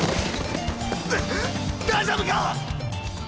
だ大丈夫か⁉